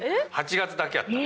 ８月だけやった。